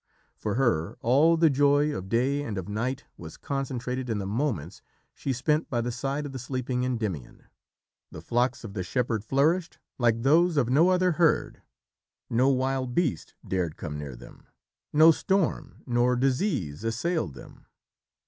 For her all the joy of day and of night was concentrated in the moments she spent by the side of the sleeping Endymion. The flocks of the shepherd flourished like those of no other herd. No wild beast dared come near them; no storm nor disease assailed them.